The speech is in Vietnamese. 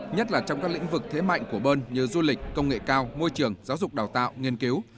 nhất là trong các lĩnh vực thế mạnh của bơn như du lịch công nghệ cao môi trường giáo dục đào tạo nghiên cứu